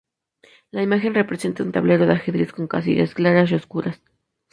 La imagen representa un tablero de ajedrez con casillas claras y oscuras.